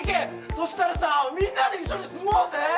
そしたらさぁみんなで一緒に住もうぜ！